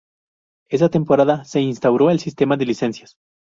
Esa temporada se instauró el sistema de licencias.